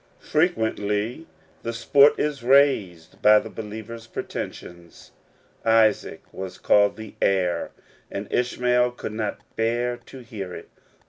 Frequently the sport is raised by the believer's pretensions. Isaac was called "the heir," and Ishmael could not bear to hear it.